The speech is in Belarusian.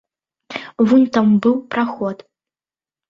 Вунь там быў праход.